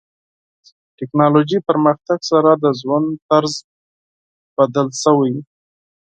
ټکنالوژي پرمختګ سره د ژوند طرز بدل شوی.